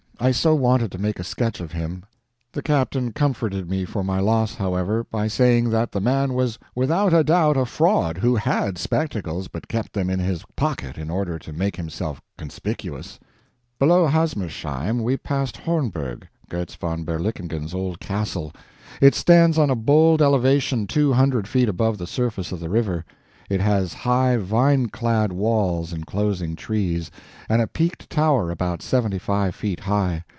I so wanted to make a sketch of him. The captain comforted me for my loss, however, by saying that the man was without any doubt a fraud who had spectacles, but kept them in his pocket in order to make himself conspicuous. Below Hassmersheim we passed Hornberg, Goetz von Berlichingen's old castle. It stands on a bold elevation two hundred feet above the surface of the river; it has high vine clad walls enclosing trees, and a peaked tower about seventy five feet high.